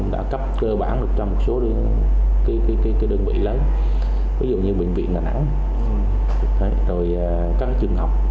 đã cấp cơ bản được cho một số đơn vị lớn ví dụ như bệnh viện đà nẵng rồi các trường học